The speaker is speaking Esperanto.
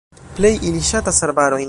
Plej ili ŝatas arbarojn.